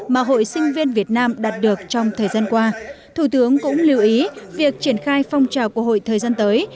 mà hội sinh viên việt nam đạt được trong thời gian qua thủ tướng cũng lưu ý việc triển khai phong trào của hội thời gian tới